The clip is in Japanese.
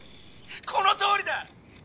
このとおりだ！